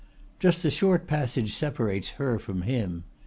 Just a short passage separates her from him.